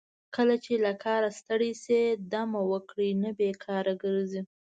کله چې له کاره ستړي شئ دمه وکړئ نه بیکاره ګرځئ.